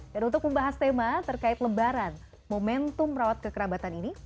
dan untuk membahas tema terkait lebaran momentum merawat kekerabatan ini